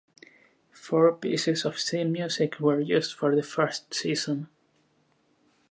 Four pieces of theme music were used for the first season.